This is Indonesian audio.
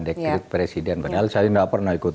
dekret presiden padahal saya tidak pernah ikut